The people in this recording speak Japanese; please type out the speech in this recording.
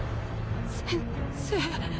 先生。